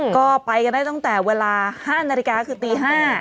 ก็ไปกันได้ตั้งแต่เวลา๕นาฬิกาคือตี๕